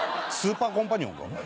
スーパーコンパニオンか。